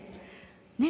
ねえ。